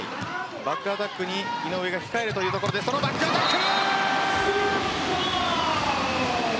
バックアタックに井上が控えるというところでそのバックアタック。